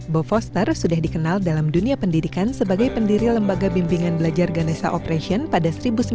bob foster sudah dikenal dalam dunia pendidikan sebagai pendiri lembaga bimbingan belajar ganesha operation pada seribu sembilan ratus delapan puluh empat